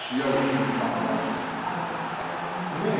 励ましたりありますよね。